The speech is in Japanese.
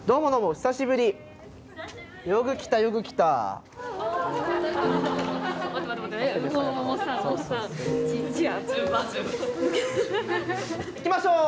あ久しぶり！いきましょう！